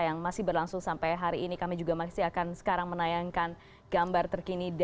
yang masih berlangsung sampai hari ini kami juga masih akan sekarang menayangkan gambar terkini